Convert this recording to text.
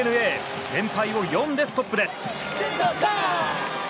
連敗を４でストップです。